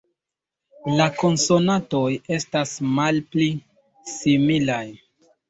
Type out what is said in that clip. La konsonantoj estas malpli similaj